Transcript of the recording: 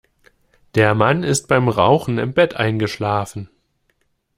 Der Mann ist beim Rauchen im Bett eingeschlafen.